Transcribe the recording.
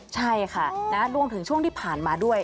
ใช่ค่ะรวมถึงช่วงที่ผ่านมาด้วย